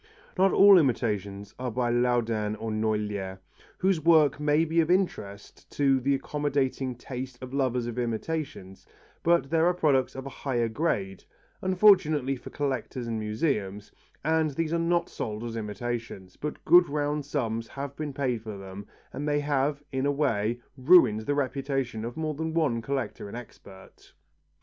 Not all imitations are by Laudin or Noailher, whose work may be of interest to the accommodating taste of lovers of imitations, but there are products of a higher grade, unfortunately for collectors and museums, and these are not sold as imitations, but good round sums have been paid for them and they have, in a way, ruined the reputation of more than one collector and expert.